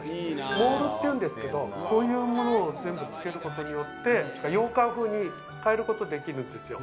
モールっていうんですけど、こういうものを全部付けることによって洋館風に変えることができるんですよ。